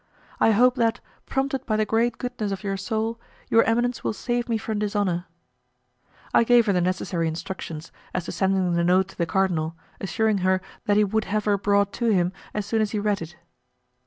I hope that, prompted by the great goodness of your soul, your eminence will save me from dishonour." I gave her the necessary instructions, as to sending the note to the cardinal, assuring her that he would have her brought to him as soon as he read it.